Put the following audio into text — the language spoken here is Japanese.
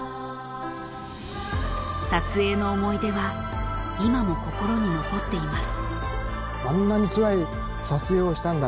［撮影の思い出は今も心に残っています］